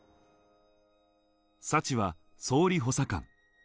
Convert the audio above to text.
サチは総理補佐官。